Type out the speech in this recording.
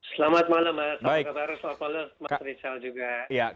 selamat malam mas apa kabar